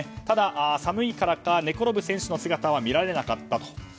ただ、寒いからか寝ころぶ選手の姿は見られなかったと。